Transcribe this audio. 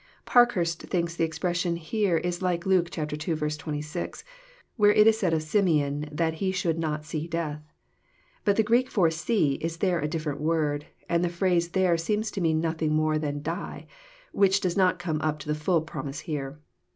Parkhurst thinks the expression here is like Luke ii. 26, where it was said of Simeon that he should not '' see death." But the Greek for "see" is there a different word, and the phrase there seems to mean nothing more than *' die," which does not come up to the full promise here.